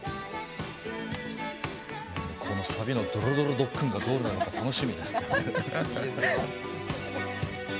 このサビの「ドロドロドックン」がどうなるか楽しみですね。